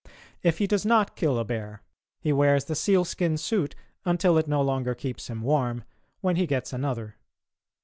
If he does not kill a bear, he wears the sealskin suit until it no longer keeps him warm, when he gets another.